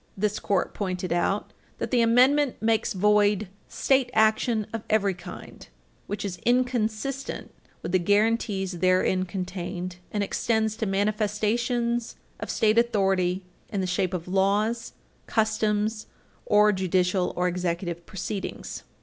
11, 17 (1883), this Court pointed out that the Amendment makes void "State action of every kind" which is inconsistent with the guaranties therein contained, and extends to manifestations of "State authority in the shape of laws, customs, or judicial or executive proceedings."